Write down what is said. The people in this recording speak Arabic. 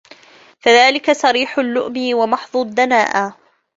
فَذَلِكَ صَرِيحُ اللُّؤْمِ وَمَحْضُ الدَّنَاءَةِ